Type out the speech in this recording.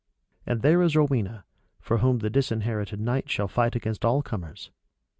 And there is Rowena, for whom the Disinherited Knight shall fight against all comers.